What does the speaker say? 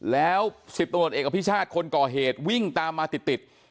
แล้ว๑๐ตำรวจเอกอภิชาติคนก่อเหตุวิ่งตามมาติด